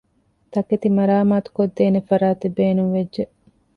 ތަކެތި މަރާމާތުކޮށްދޭނެ ފަރާތެއް ބޭނުންވެއްޖެ